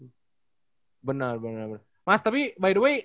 kalau misalnya diseriusinnya kapan mas basketnya berarti